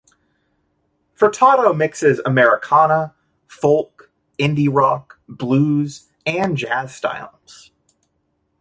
Furtado mixes Americana, folk, indie-rock, blues, and jazz styles.